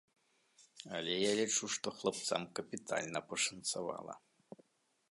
Але я лічу, што хлапцам капітальна пашанцавала.